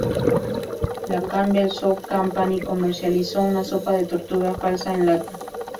La Campbell Soup Company comercializó una sopa de tortuga falsa en lata.